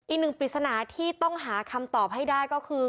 อีกหนึ่งปริศนาที่ต้องหาคำตอบให้ได้ก็คือ